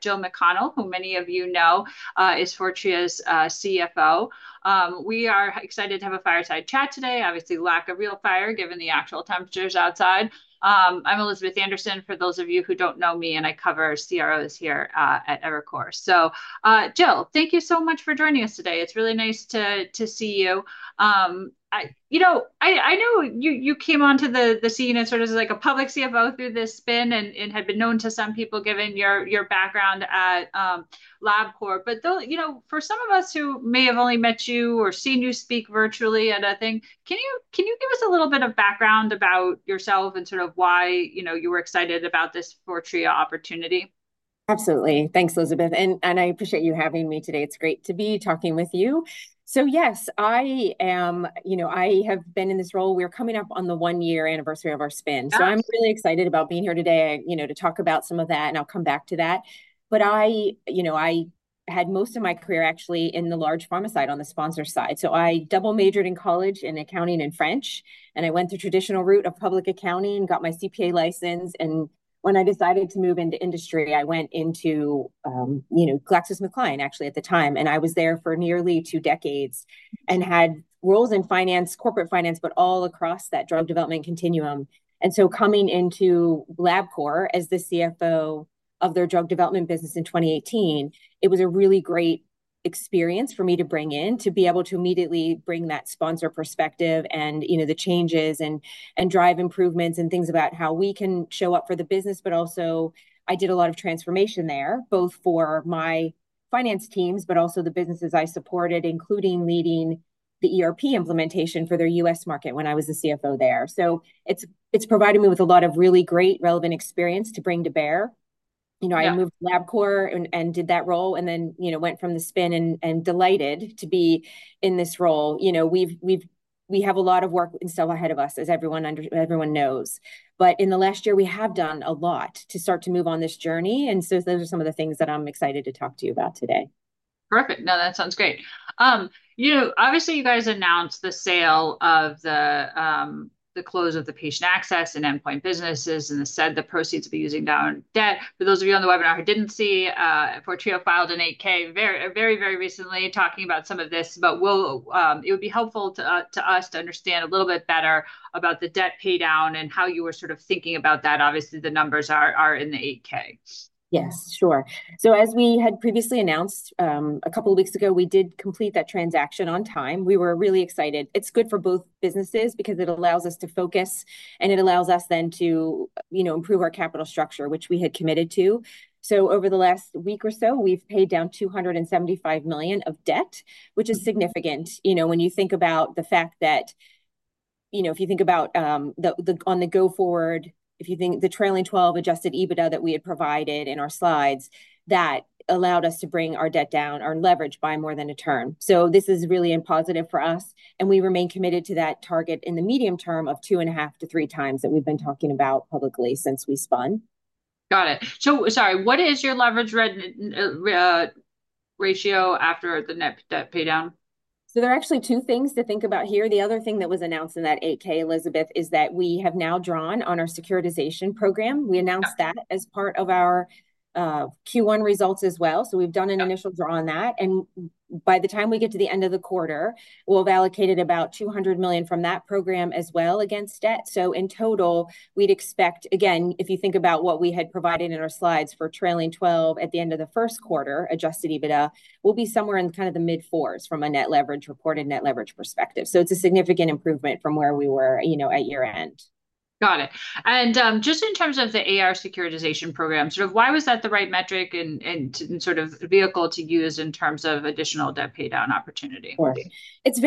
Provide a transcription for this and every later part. Jill McConnell, who many of you know, is Fortrea's CFO. We are excited to have a fireside chat today, obviously, lack of real fire given the actual temperatures outside. I'm Elizabeth Anderson, for those of you who don't know me, and I cover CROs here at Evercore. So, Jill, thank you so much for joining us today. It's really nice to see you. You know, I know you came onto the scene as sort of like a public CFO through this spin and had been known to some people given your background at Labcorp, but for some of us who may have only met you or seen you speak virtually at a thing, can you give us a little bit of background about yourself and sort of why you were excited about this Fortrea opportunity? Absolutely. Thanks, Elizabeth. And I appreciate you having me today. It's great to be talking with you. So, yes, I have been in this role. We're coming up on the one-year anniversary of our spin. So I'm really excited about being here today to talk about some of that, and I'll come back to that. But I had most of my career actually in the large pharma side, on the sponsor side. So I double majored in college in accounting and French, and I went the traditional route of public accounting and got my CPA license. And when I decided to move into industry, I went into GlaxoSmithKline, actually, at the time. And I was there for nearly two decades and had roles in finance, corporate finance, but all across that drug development continuum. So coming into Labcorp as the CFO of their Drug Development business in 2018, it was a really great experience for me to bring in, to be able to immediately bring that sponsor perspective and the changes and drive improvements and things about how we can show up for the business. But also, I did a lot of transformation there, both for my finance teams, but also the businesses I supported, including leading the ERP implementation for their U.S. market when I was the CFO there. So it's provided me with a lot of really great, relevant experience to bring to bear. I moved to Labcorp and did that role and then went from the spin and delighted to be in this role. We have a lot of work still ahead of us, as everyone knows. In the last year, we have done a lot to start to move on this journey. So those are some of the things that I'm excited to talk to you about today. Perfect. No, that sounds great. Obviously, you guys announced the close of the Patient Access and Endpoint businesses and said the proceeds will be used to pay down debt. For those of you on the webinar who didn't see, Fortrea filed an 8-K very, very recently talking about some of this. But it would be helpful to us to understand a little bit better about the debt paydown and how you were sort of thinking about that. Obviously, the numbers are in the 8-K. Yes, sure. So as we had previously announced a couple of weeks ago, we did complete that transaction on time. We were really excited. It's good for both businesses because it allows us to focus, and it allows us then to improve our capital structure, which we had committed to. So over the last week or so, we've paid down $275 million of debt, which is significant when you think about the fact that if you think about on the go forward, if you think the trailing 12 Adjusted EBITDA that we had provided in our slides, that allowed us to bring our debt down, our leverage by more than a turn. So this is really positive for us. And we remain committed to that target in the medium term of 2.5-3 times that we've been talking about publicly since we spun. Got it. So sorry, what is your leverage ratio after the net debt paydown? So there are actually two things to think about here. The other thing that was announced in that 8K, Elizabeth, is that we have now drawn on our securitization program. We announced that as part of our Q1 results as well. So we've done an initial draw on that. And by the time we get to the end of the quarter, we'll have allocated about $200 million from that program as well against debt. So in total, we'd expect, again, if you think about what we had provided in our slides for trailing 12 at the end of the first quarter, Adjusted EBITDA, we'll be somewhere in kind of the mid-fours from a net leverage report and net leverage perspective. So it's a significant improvement from where we were at year end. Got it. And just in terms of the A/R securitization program, sort of why was that the right metric and sort of vehicle to use in terms of additional debt paydown opportunity? It's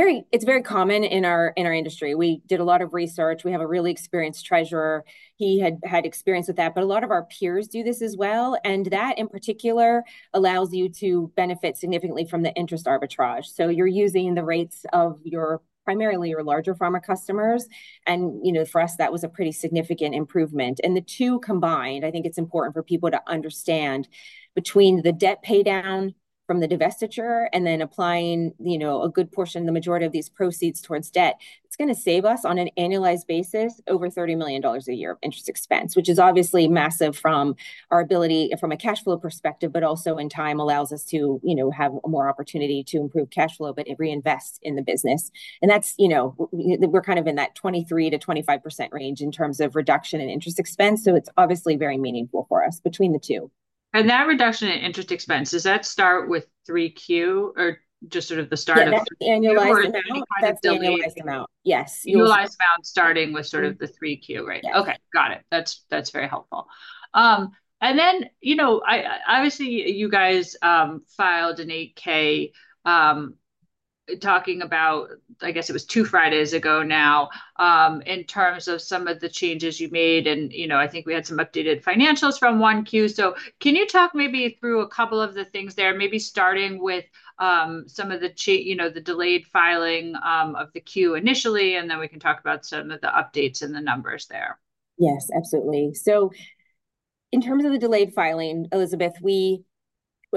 very common in our industry. We did a lot of research. We have a really experienced treasurer. He had experience with that. But a lot of our peers do this as well. And that, in particular, allows you to benefit significantly from the interest arbitrage. So you're using the rates of primarily your larger pharma customers. And for us, that was a pretty significant improvement. And the two combined, I think it's important for people to understand between the debt paydown from the divestiture and then applying a good portion, the majority of these proceeds towards debt, it's going to save us on an annualized basis over $30 million a year of interest expense, which is obviously massive from our ability from a cash flow perspective, but also in time allows us to have more opportunity to improve cash flow, but reinvest in the business. We're kind of in that 23%-25% range in terms of reduction in interest expense. It's obviously very meaningful for us between the two. That reduction in interest expense, does that start with 3Q or just sort of the start of? That's the annualized amount. Yes. Annualized amount starting with sort of the 3Q, right? Yes. Okay. Got it. That's very helpful. And then obviously, you guys filed an 8-K talking about, I guess it was two Fridays ago now, in terms of some of the changes you made. And I think we had some updated financials from 1Q. So can you talk maybe through a couple of the things there, maybe starting with some of the delayed filing of the 10-Q initially, and then we can talk about some of the updates and the numbers there? Yes, absolutely. So in terms of the delayed filing, Elizabeth,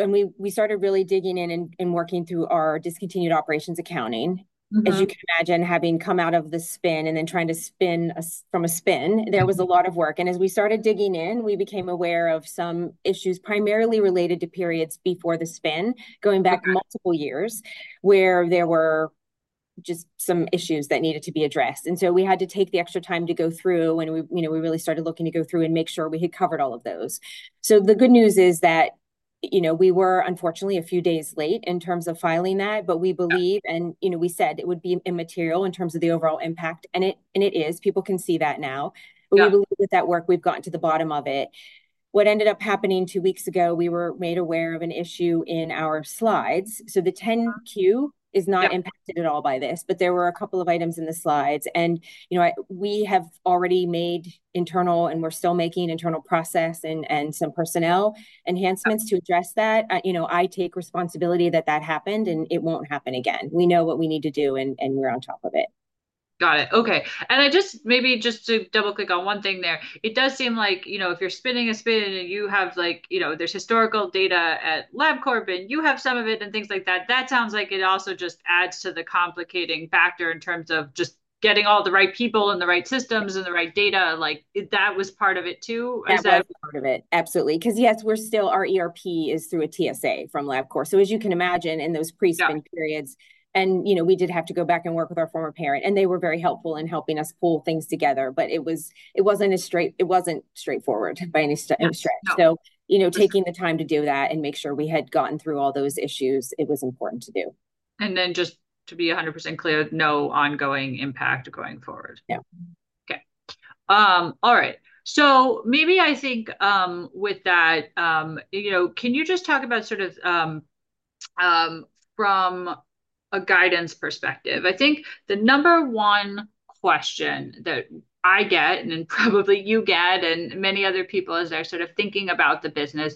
when we started really digging in and working through our discontinued operations accounting, as you can imagine, having come out of the spin and then trying to spin from a spin, there was a lot of work. And as we started digging in, we became aware of some issues primarily related to periods before the spin going back multiple years where there were just some issues that needed to be addressed. And so we had to take the extra time to go through, and we really started looking to go through and make sure we had covered all of those. So the good news is that we were, unfortunately, a few days late in terms of filing that, but we believe, and we said it would be immaterial in terms of the overall impact, and it is. People can see that now. But we believe with that work, we've gotten to the bottom of it. What ended up happening two weeks ago, we were made aware of an issue in our slides. So the 10-Q is not impacted at all by this, but there were a couple of items in the slides. We have already made internal, and we're still making internal process and some personnel enhancements to address that. I take responsibility that that happened, and it won't happen again. We know what we need to do, and we're on top of it. Got it. Okay. Maybe just to double-click on one thing there, it does seem like if you're spinning a spin and you have, there's historical data at Labcorp, and you have some of it and things like that, that sounds like it also just adds to the complicating factor in terms of just getting all the right people and the right systems and the right data. That was part of it too? That was part of it. Absolutely. Because yes, our ERP is through a TSA from Labcorp. So as you can imagine, in those pre-spin periods, and we did have to go back and work with our former parent, and they were very helpful in helping us pull things together. But it wasn't straightforward by any stretch. So taking the time to do that and make sure we had gotten through all those issues, it was important to do. Just to be 100% clear, no ongoing impact going forward? Yeah. Okay. All right. So maybe I think with that, can you just talk about sort of from a guidance perspective? I think the number one question that I get, and then probably you get and many other people as they're sort of thinking about the business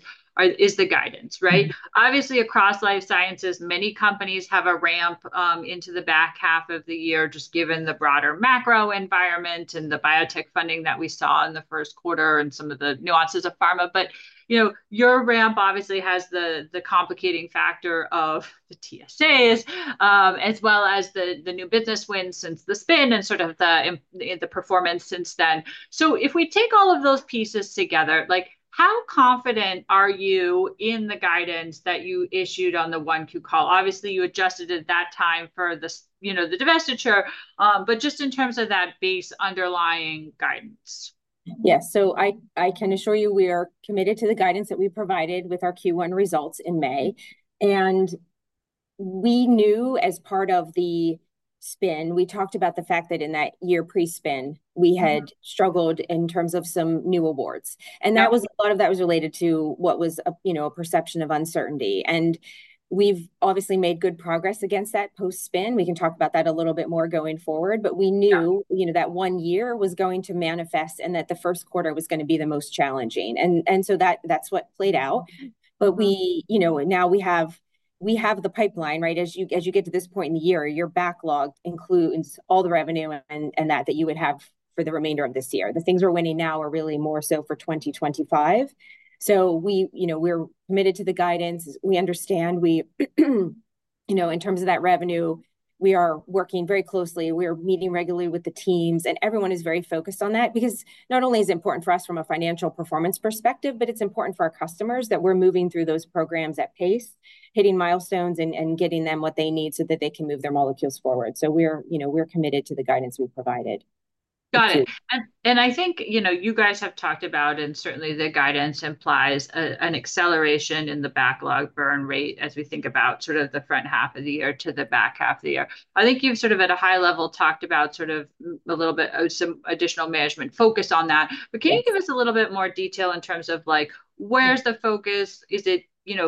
is the guidance, right? Obviously, across life sciences, many companies have a ramp into the back half of the year just given the broader macro environment and the biotech funding that we saw in the first quarter and some of the nuances of pharma. But your ramp obviously has the complicating factor of the TSAs as well as the new business wins since the spin and sort of the performance since then. So if we take all of those pieces together, how confident are you in the guidance that you issued on the 1Q call? Obviously, you adjusted at that time for the divestiture, but just in terms of that base underlying guidance. Yes. So I can assure you we are committed to the guidance that we provided with our Q1 results in May. And we knew as part of the spin, we talked about the fact that in that year pre-spin, we had struggled in terms of some new awards. And a lot of that was related to what was a perception of uncertainty. And we've obviously made good progress against that post-spin. We can talk about that a little bit more going forward. But we knew that one year was going to manifest and that the first quarter was going to be the most challenging. And so that's what played out. But now we have the pipeline, right? As you get to this point in the year, your backlog includes all the revenue and that you would have for the remainder of this year. The things we're winning now are really more so for 2025. We're committed to the guidance. We understand in terms of that revenue, we are working very closely. We are meeting regularly with the teams, and everyone is very focused on that because not only is it important for us from a financial performance perspective, but it's important for our customers that we're moving through those programs at pace, hitting milestones and getting them what they need so that they can move their molecules forward. We're committed to the guidance we provided. Got it. I think you guys have talked about, and certainly the guidance implies an acceleration in the backlog burn rate as we think about sort of the front half of the year to the back half of the year. I think you've sort of at a high level talked about sort of a little bit of some additional management focus on that. But can you give us a little bit more detail in terms of where's the focus? Is it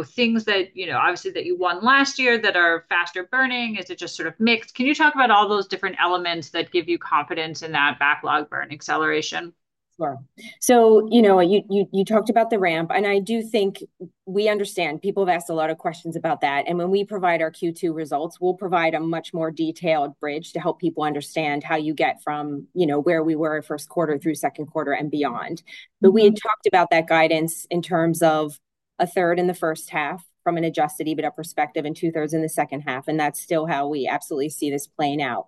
things that obviously you won last year that are faster burning? Is it just sort of mixed? Can you talk about all those different elements that give you confidence in that backlog burn acceleration? Sure. So you talked about the ramp. And I do think we understand people have asked a lot of questions about that. And when we provide our Q2 results, we'll provide a much more detailed bridge to help people understand how you get from where we were first quarter through second quarter and beyond. But we had talked about that guidance in terms of a third in the first half from an Adjusted EBITDA perspective and two-thirds in the second half. And that's still how we absolutely see this playing out.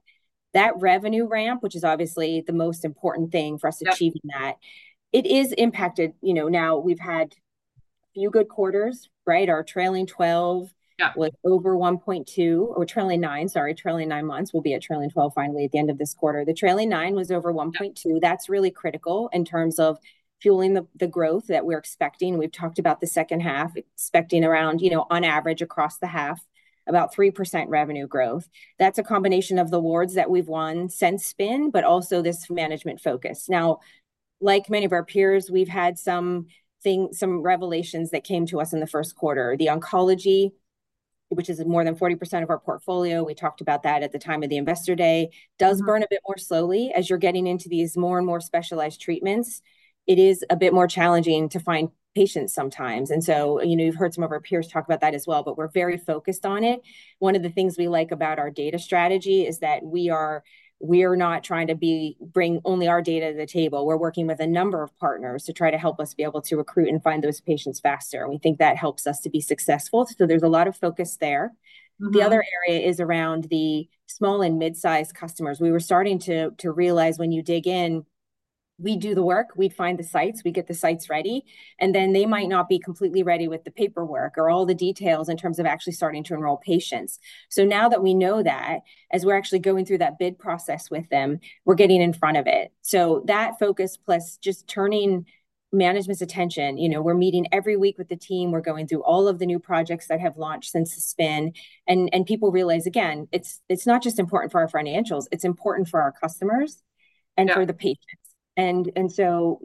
That revenue ramp, which is obviously the most important thing for us achieving that. It is impacted. Now, we've had a few good quarters, right? Our trailing 12 was over 1.2. Our trailing nine, sorry, trailing nine months will be at trailing 12 finally at the end of this quarter. The trailing nine was over 1.2. That's really critical in terms of fueling the growth that we're expecting. We've talked about the second half, expecting around, on average, across the half, about 3% revenue growth. That's a combination of the awards that we've won since spin, but also this management focus. Now, like many of our peers, we've had some revelations that came to us in the first quarter. The oncology, which is more than 40% of our portfolio, we talked about that at the time of the Investor Day, does burn a bit more slowly as you're getting into these more and more specialized treatments. It is a bit more challenging to find patients sometimes. And so you've heard some of our peers talk about that as well, but we're very focused on it. One of the things we like about our data strategy is that we are not trying to bring only our data to the table. We're working with a number of partners to try to help us be able to recruit and find those patients faster. And we think that helps us to be successful. So there's a lot of focus there. The other area is around the small and mid-sized customers. We were starting to realize when you dig in, we do the work, we find the sites, we get the sites ready, and then they might not be completely ready with the paperwork or all the details in terms of actually starting to enroll patients. So now that we know that, as we're actually going through that bid process with them, we're getting in front of it. So that focus plus just turning management's attention, we're meeting every week with the team. We're going through all of the new projects that have launched since the spin. And people realize, again, it's not just important for our financials. It's important for our customers and for the patients. And so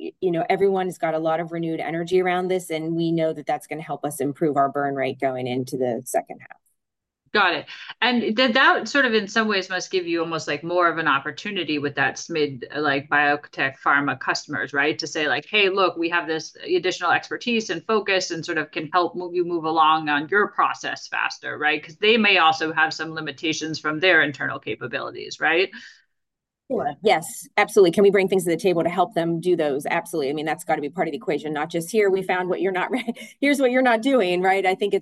everyone has got a lot of renewed energy around this, and we know that that's going to help us improve our burn rate going into the second half. Got it. That sort of in some ways must give you almost more of an opportunity with that SMID biotech pharma customers, right, to say, hey, look, we have this additional expertise and focus and sort of can help you move along on your process faster, right? Because they may also have some limitations from their internal capabilities, right? Sure. Yes. Absolutely. Can we bring things to the table to help them do those? Absolutely. I mean, that's got to be part of the equation, not just, "Here, we found what you're not doing, here's what you're not doing," right? I think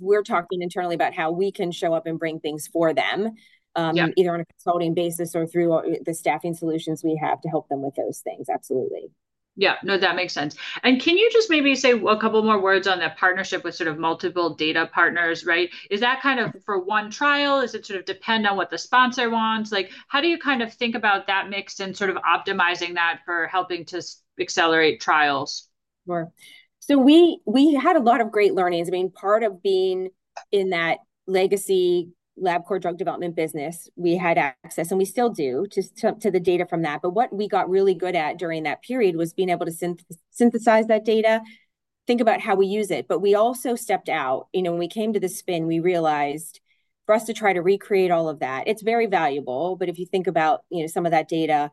we're talking internally about how we can show up and bring things for them, either on a consulting basis or through the staffing solutions we have to help them with those things. Absolutely. Yeah. No, that makes sense. Can you just maybe say a couple more words on that partnership with sort of multiple data partners, right? Is that kind of for one trial? Does it sort of depend on what the sponsor wants? How do you kind of think about that mix and sort of optimizing that for helping to accelerate trials? Sure. So we had a lot of great learnings. I mean, part of being in that legacy Labcorp Drug Development business, we had access, and we still do to the data from that. But what we got really good at during that period was being able to synthesize that data, think about how we use it. But we also stepped out. When we came to the spin, we realized for us to try to recreate all of that, it's very valuable. But if you think about some of that data,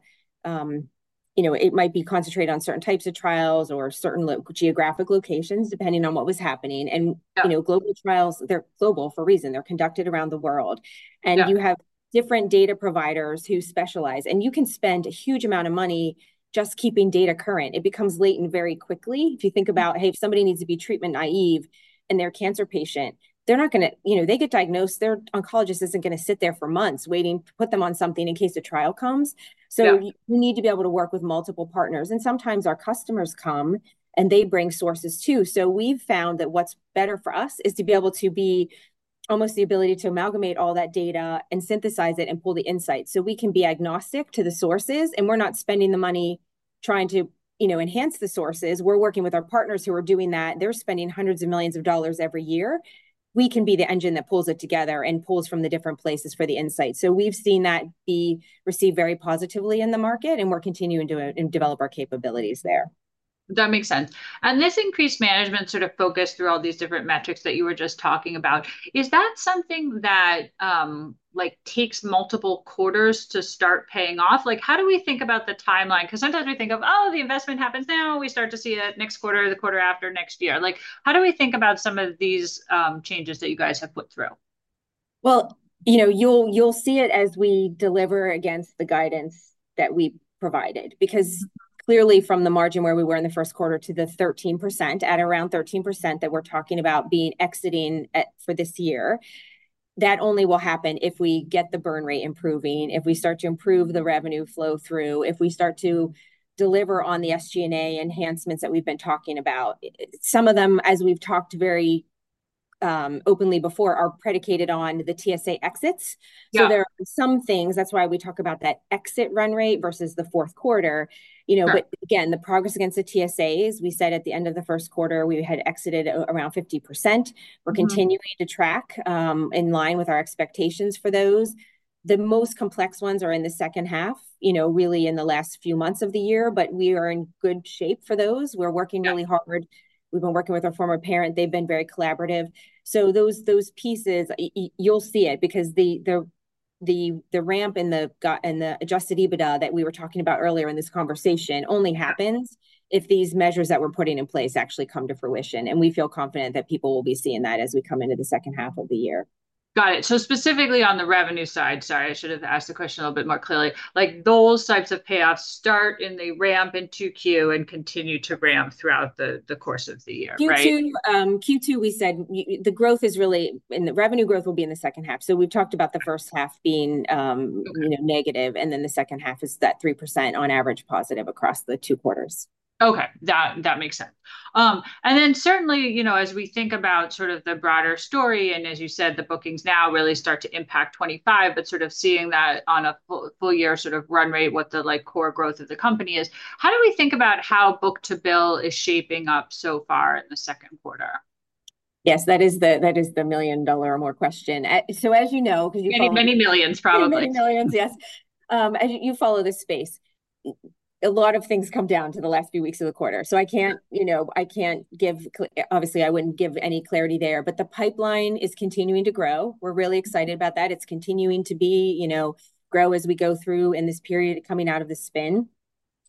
it might be concentrated on certain types of trials or certain geographic locations depending on what was happening. And global trials, they're global for a reason. They're conducted around the world. And you have different data providers who specialize. And you can spend a huge amount of money just keeping data current. It becomes latent very quickly. If you think about, "Hey, if somebody needs to be treatment-naive and they're a cancer patient, they're not going to. They get diagnosed, their oncologist isn't going to sit there for months waiting to put them on something in case a trial comes." So you need to be able to work with multiple partners. And sometimes our customers come and they bring sources too. So we've found that what's better for us is to be able to be almost the ability to amalgamate all that data and synthesize it and pull the insights so we can be agnostic to the sources. And we're not spending the money trying to enhance the sources. We're working with our partners who are doing that. They're spending 100s of millions of dollars every year. We can be the engine that pulls it together and pulls from the different places for the insights. So we've seen that be received very positively in the market, and we're continuing to develop our capabilities there. That makes sense. And this increased management sort of focus through all these different metrics that you were just talking about, is that something that takes multiple quarters to start paying off? How do we think about the timeline? Because sometimes we think of, "Oh, the investment happens now. We start to see it next quarter, the quarter after next year." How do we think about some of these changes that you guys have put through? Well, you'll see it as we deliver against the guidance that we provided. Because clearly from the margin where we were in the first quarter to the 13% at around 13% that we're talking about being exiting for this year, that only will happen if we get the burn rate improving, if we start to improve the revenue flow through, if we start to deliver on the SG&A enhancements that we've been talking about. Some of them, as we've talked very openly before, are predicated on the TSA exits. So there are some things, that's why we talk about that exit run rate versus the fourth quarter. But again, the progress against the TSAs, we said at the end of the first quarter, we had exited around 50%. We're continuing to track in line with our expectations for those. The most complex ones are in the second half, really in the last few months of the year, but we are in good shape for those. We're working really hard. We've been working with our former parent. They've been very collaborative. So those pieces, you'll see it because the ramp and the Adjusted EBITDA that we were talking about earlier in this conversation only happens if these measures that we're putting in place actually come to fruition. We feel confident that people will be seeing that as we come into the second half of the year. Got it. So specifically on the revenue side, sorry, I should have asked the question a little bit more clearly. Those types of payoffs start and they ramp in Q2 and continue to ramp throughout the course of the year, right? Q2, we said the growth is really in the revenue growth will be in the second half. So we've talked about the first half being negative, and then the second half is that 3% on average positive across the two quarters. Okay. That makes sense. And then certainly, as we think about sort of the broader story, and as you said, the bookings now really start to impact 2025, but sort of seeing that on a full year sort of run rate what the core growth of the company is, how do we think about how book-to-bill is shaping up so far in the second quarter? Yes, that is the million-dollar or more question. So as you know, because you follow. Many millions, probably. Many millions, yes. As you follow this space, a lot of things come down to the last few weeks of the quarter. So I can't give obviously, I wouldn't give any clarity there, but the pipeline is continuing to grow. We're really excited about that. It's continuing to grow as we go through in this period coming out of the spin.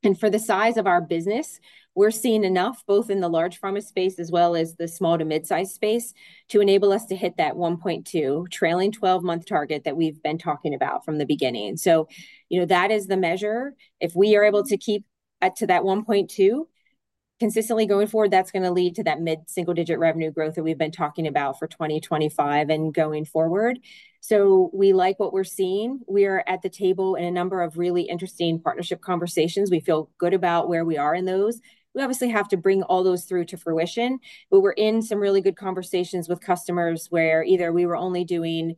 And for the size of our business, we're seeing enough both in the large pharma space as well as the small to mid-sized space to enable us to hit that 1.2 trailing 12-month target that we've been talking about from the beginning. So that is the measure. If we are able to keep to that 1.2 consistently going forward, that's going to lead to that mid-single-digit revenue growth that we've been talking about for 2025 and going forward. So we like what we're seeing. We are at the table in a number of really interesting partnership conversations. We feel good about where we are in those. We obviously have to bring all those through to fruition, but we're in some really good conversations with customers where either we were only doing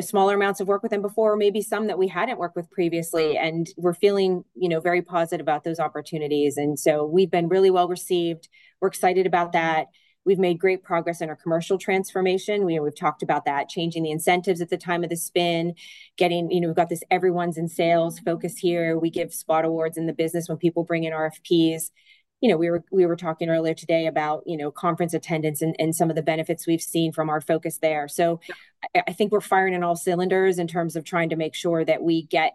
smaller amounts of work with them before or maybe some that we hadn't worked with previously, and we're feeling very positive about those opportunities. And so we've been really well received. We're excited about that. We've made great progress in our commercial transformation. We've talked about that, changing the incentives at the time of the spin, getting we've got this everyone's in sales focus here. We give spot awards in the business when people bring in RFPs. We were talking earlier today about conference attendance and some of the benefits we've seen from our focus there. So I think we're firing on all cylinders in terms of trying to make sure that we get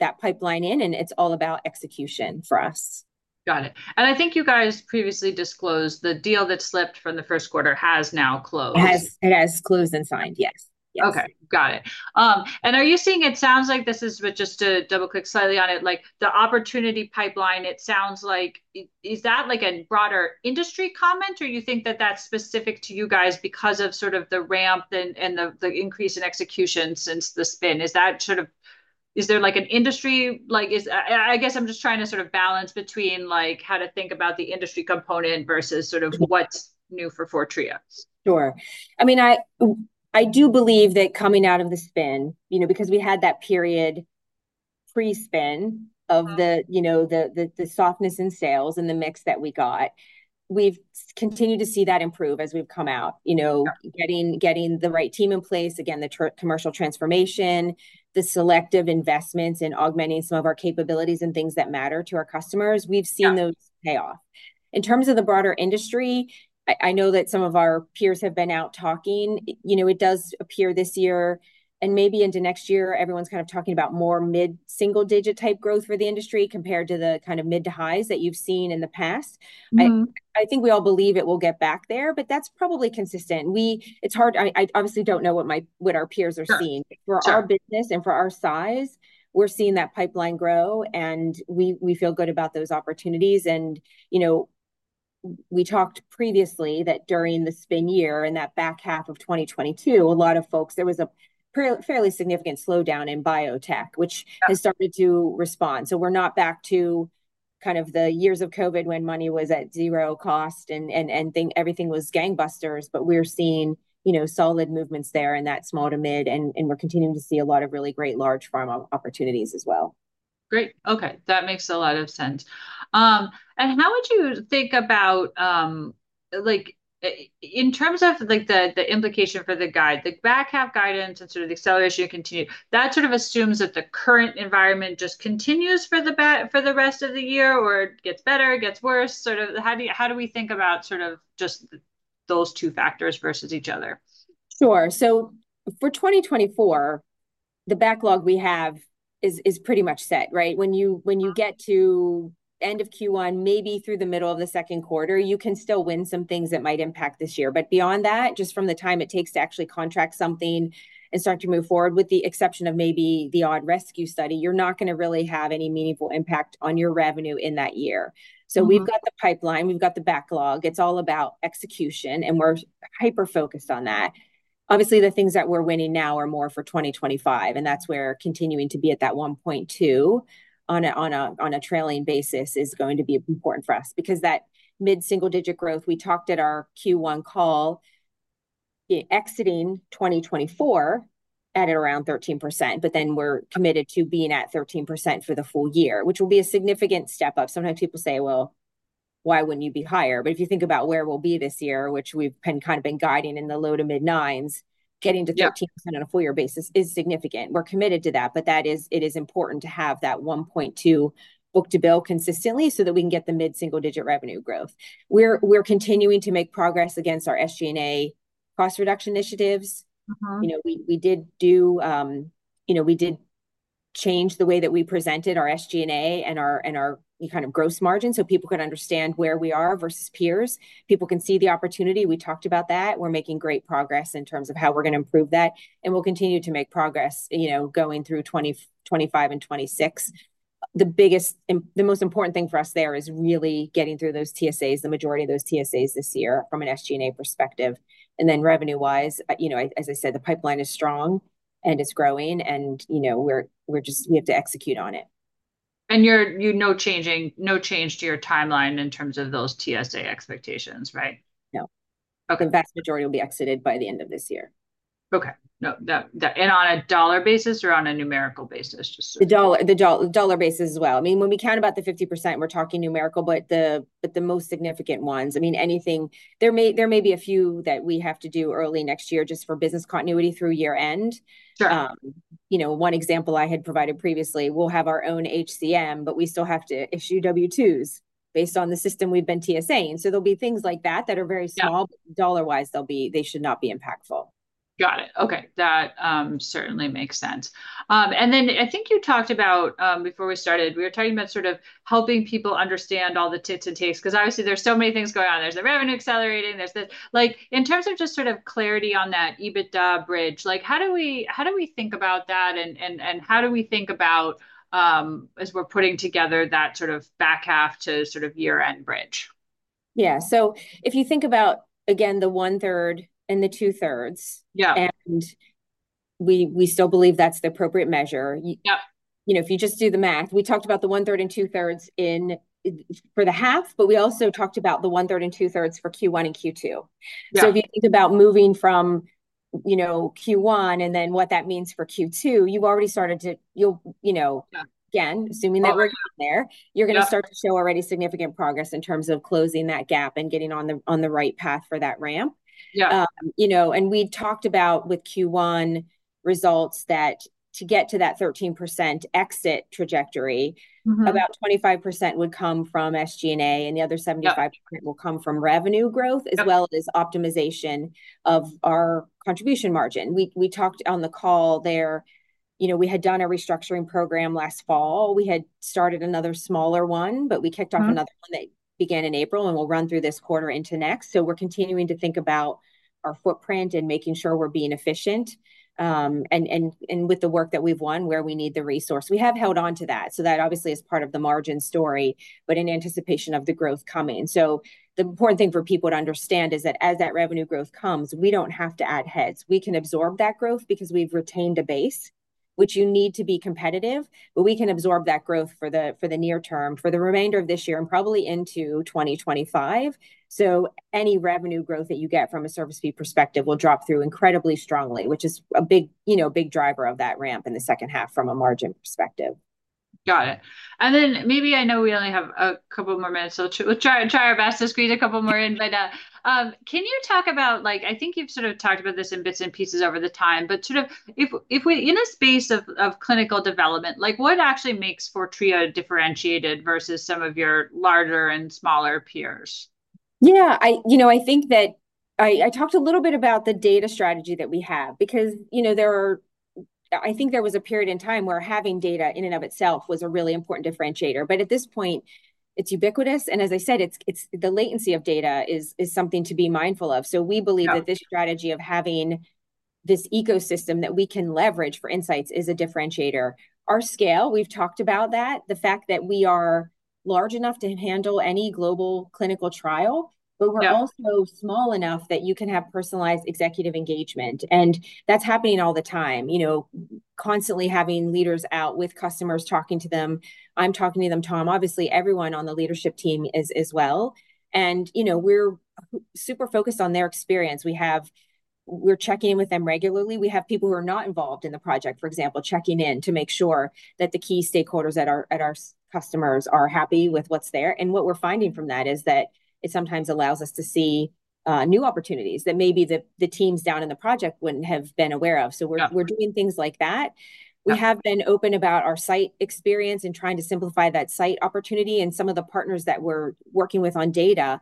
that pipeline in, and it's all about execution for us. Got it. I think you guys previously disclosed the deal that slipped from the first quarter has now closed. It has closed and signed, yes. Okay. Got it. And are you seeing it sounds like this is just to double-click slightly on it, the opportunity pipeline, it sounds like is that like a broader industry comment, or you think that that's specific to you guys because of sort of the ramp and the increase in execution since the spin? Is that sort of is there like an industry I guess I'm just trying to sort of balance between how to think about the industry component versus sort of what's new for Fortrea. Sure. I mean, I do believe that coming out of the spin, because we had that period pre-spin of the softness in sales and the mix that we got, we've continued to see that improve as we've come out, getting the right team in place, again, the commercial transformation, the selective investments in augmenting some of our capabilities and things that matter to our customers. We've seen those pay off. In terms of the broader industry, I know that some of our peers have been out talking. It does appear this year, and maybe into next year, everyone's kind of talking about more mid-single-digit type growth for the industry compared to the kind of mid to highs that you've seen in the past. I think we all believe it will get back there, but that's probably consistent. It's hard. I obviously don't know what our peers are seeing. For our business and for our size, we're seeing that pipeline grow, and we feel good about those opportunities. We talked previously that during the spin year in that back half of 2022, a lot of folks, there was a fairly significant slowdown in biotech, which has started to respond. We're not back to kind of the years of COVID when money was at zero cost and everything was gangbusters, but we're seeing solid movements there in that small to mid, and we're continuing to see a lot of really great large pharma opportunities as well. Great. Okay. That makes a lot of sense. And how would you think about in terms of the implication for the guide, the back half guidance and sort of the acceleration continue, that sort of assumes that the current environment just continues for the rest of the year or gets better, gets worse? Sort of how do we think about sort of just those two factors versus each other? Sure. So for 2024, the backlog we have is pretty much set, right? When you get to end of Q1, maybe through the middle of the second quarter, you can still win some things that might impact this year. But beyond that, just from the time it takes to actually contract something and start to move forward, with the exception of maybe the odd rescue study, you're not going to really have any meaningful impact on your revenue in that year. So we've got the pipeline. We've got the backlog. It's all about execution, and we're hyper-focused on that. Obviously, the things that we're winning now are more for 2025, and that's where continuing to be at that 1.2 on a trailing basis is going to be important for us. Because that mid-single-digit growth, we talked at our Q1 call, exiting 2024 at around 13%, but then we're committed to being at 13% for the full year, which will be a significant step up. Sometimes people say, "Well, why wouldn't you be higher?" But if you think about where we'll be this year, which we've kind of been guiding in the low to mid-nines, getting to 13% on a full year basis is significant. We're committed to that, but it is important to have that 1.2 book-to-bill consistently so that we can get the mid-single-digit revenue growth. We're continuing to make progress against our SG&A cost reduction initiatives. We did change the way that we presented our SG&A and our kind of gross margin so people could understand where we are versus peers. People can see the opportunity. We talked about that. We're making great progress in terms of how we're going to improve that. We'll continue to make progress going through 2025 and 2026. The most important thing for us there is really getting through those TSAs, the majority of those TSAs this year from an SG&A perspective. Then revenue-wise, as I said, the pipeline is strong and it's growing, and we have to execute on it. No change to your timeline in terms of those TSA expectations, right? No. The vast majority will be exited by the end of this year. Okay. On a dollar basis or on a numerical basis? The dollar basis as well. I mean, when we count about the 50%, we're talking numerical, but the most significant ones, I mean, anything there may be a few that we have to do early next year just for business continuity through year-end. One example I had provided previously, we'll have our own HCM, but we still have to issue W-2s based on the system we've been TSAing. So there'll be things like that that are very small, but dollar-wise, they should not be impactful. Got it. Okay. That certainly makes sense. And then I think you talked about before we started, we were talking about sort of helping people understand all the ins and outs because obviously there's so many things going on. There's the revenue accelerating. There's the in terms of just sort of clarity on that EBITDA bridge, how do we think about that, and how do we think about as we're putting together that sort of back half to sort of year-end bridge? Yeah. So if you think about, again, the 1/3 and the 2/3, and we still believe that's the appropriate measure. If you just do the math, we talked about the 1/3 and 2/3 for the half, but we also talked about the 1/3 and 2/3 for Q1 and Q2. So if you think about moving from Q1 and then what that means for Q2, you've already started to again, assuming that we're down there, you're going to start to show already significant progress in terms of closing that gap and getting on the right path for that ramp. And we talked about with Q1 results that to get to that 13% exit trajectory, about 25% would come from SG&A, and the other 75% will come from revenue growth as well as optimization of our contribution margin. We talked on the call there. We had done a restructuring program last fall. We had started another smaller one, but we kicked off another one that began in April, and we'll run through this quarter into next. So we're continuing to think about our footprint and making sure we're being efficient and with the work that we've won where we need the resource. We have held on to that. So that obviously is part of the margin story, but in anticipation of the growth coming. So the important thing for people to understand is that as that revenue growth comes, we don't have to add heads. We can absorb that growth because we've retained a base, which you need to be competitive, but we can absorb that growth for the near term for the remainder of this year and probably into 2025. Any revenue growth that you get from a service fee perspective will drop through incredibly strongly, which is a big driver of that ramp in the second half from a margin perspective. Got it. And then maybe I know we only have a couple more minutes, so we'll try our best to squeeze a couple more in. But can you talk about I think you've sort of talked about this in bits and pieces over the time, but sort of if we in a space of clinical development, what actually makes Fortrea differentiated versus some of your larger and smaller peers? Yeah. I think that I talked a little bit about the data strategy that we have because there are—I think there was a period in time where having data in and of itself was a really important differentiator. But at this point, it's ubiquitous. And as I said, the latency of data is something to be mindful of. So we believe that this strategy of having this ecosystem that we can leverage for insights is a differentiator. Our scale, we've talked about that, the fact that we are large enough to handle any global clinical trial, but we're also small enough that you can have personalized executive engagement. And that's happening all the time, constantly having leaders out with customers talking to them. I'm talking to them, Tom, obviously everyone on the leadership team as well. And we're super focused on their experience. We're checking in with them regularly. We have people who are not involved in the project, for example, checking in to make sure that the key stakeholders at our customers are happy with what's there. And what we're finding from that is that it sometimes allows us to see new opportunities that maybe the teams down in the project wouldn't have been aware of. So we're doing things like that. We have been open about our site experience and trying to simplify that site opportunity. And some of the partners that we're working with on data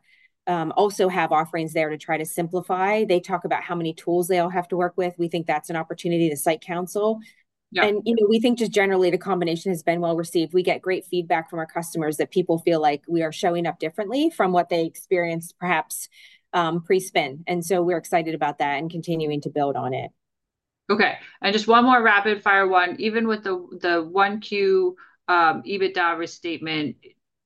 also have offerings there to try to simplify. They talk about how many tools they all have to work with. We think that's an opportunity to site counsel. And we think just generally the combination has been well received. We get great feedback from our customers that people feel like we are showing up differently from what they experienced perhaps pre-spin. And so we're excited about that and continuing to build on it. Okay. Just one more rapid-fire one. Even with the 1Q EBITDA restatement,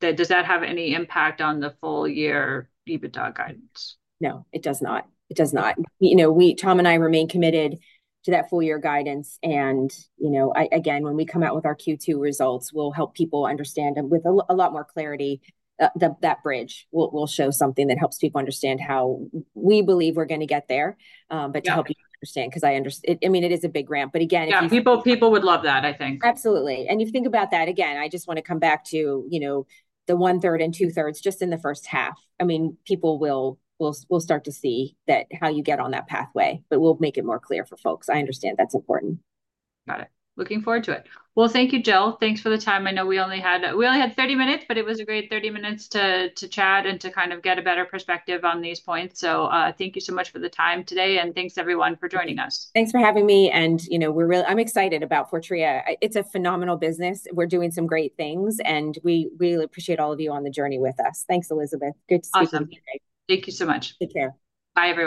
does that have any impact on the full-year EBITDA guidance? No, it does not. It does not. Tom and I remain committed to that full-year guidance. And again, when we come out with our Q2 results, we'll help people understand with a lot more clarity. That bridge will show something that helps people understand how we believe we're going to get there, but to help you understand because I understand, I mean, it is a big ramp. But again. Yeah. People would love that, I think. Absolutely. And you think about that, again, I just want to come back to the one-third and two-thirds just in the first half. I mean, people will start to see how you get on that pathway, but we'll make it more clear for folks. I understand that's important. Got it. Looking forward to it. Well, thank you, Jill. Thanks for the time. I know we only had 30 minutes, but it was a great 30 minutes to chat and to kind of get a better perspective on these points. So thank you so much for the time today, and thanks everyone for joining us. Thanks for having me. I'm excited about Fortrea. It's a phenomenal business. We're doing some great things, and we really appreciate all of you on the journey with us. Thanks, Elizabeth. Good to see you. Awesome. Thank you so much. Take care. Bye, everyone.